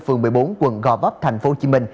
phường một mươi bốn quận gò bắp tp hcm